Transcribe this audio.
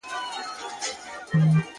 لكه د دوو جنـــــــگ;